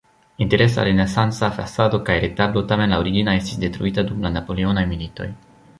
Interesa renesanca fasado kaj retablo, tamen la origina estis detruita dum la napoleonaj militoj.